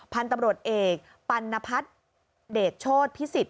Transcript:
พันธุ์ตำรวจเอกปัณพัฒน์เดชโชธพิสิทธ